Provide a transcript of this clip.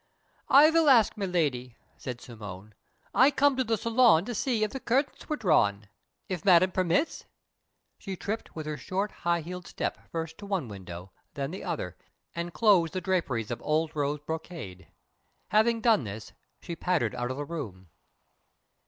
"I will ask Miladi," said Simone. "I came to the salon to see if the curtains were drawn. If Madame permits!" She tripped with her short, high heeled step first to one window, then the other, and closed the draperies of old rose brocade. Having done this, she pattered out of the room.